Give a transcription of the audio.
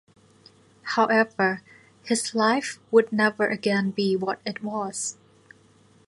However, his life would never again be what it was.